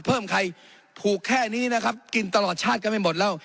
ใครผูกแค่นี้นะครับกินตลอดชาติก็ไม่หมดแล้ว